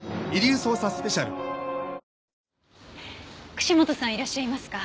串本さんいらっしゃいますか？